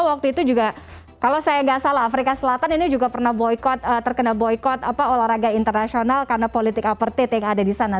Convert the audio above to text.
waktu itu juga kalau saya nggak salah afrika selatan ini juga pernah boykot terkena boykot olahraga internasional karena politik aparted yang ada di sana